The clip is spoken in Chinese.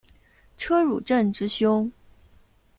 车汝震之兄。